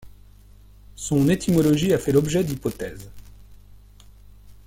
Son étymologie a fait l'objet d'hypothèses.